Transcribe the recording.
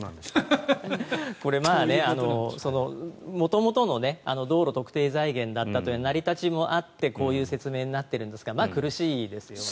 これ、元々の道路特定財源だったという成り立ちもあってこういう説明になってるんですが苦しいですよね。